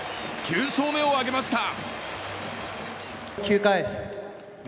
９勝目を挙げました。